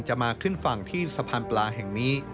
มาขึ้นฝั่งที่สะพานปลาแห่งนี้